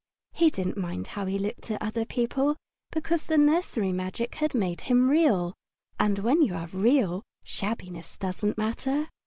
He didn't mind how he looked to other people, because the nursery magic had made him Real, and when you are Real shabbiness doesn't matter.